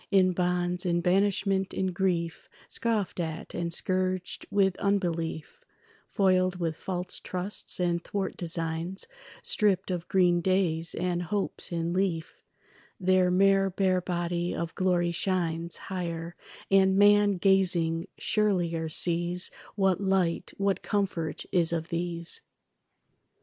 In bonds, in banishment, in grief, Scoffed at and scourged with unbelief, Foiled with false trusts and thwart designs, Stripped of green days and hopes in leaf, Their mere bare body of glory shines Higher, and man gazing surelier sees What light, what comfort is of these.